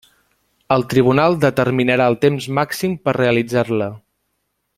El tribunal determinarà el temps màxim per realitzar-la.